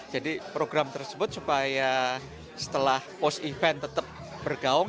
jadi program tersebut supaya setelah post event tetap bergaung